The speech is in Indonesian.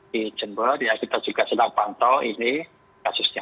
di jember ya kita juga sedang pantau ini kasusnya